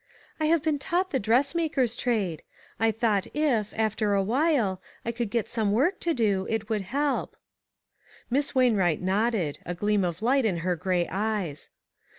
"I have been taught the dressmaker's trade. I thought if, after awhile, I could get some work to do, it would help." Miss Wainwright nodded, a gleam of light in her gray eyes.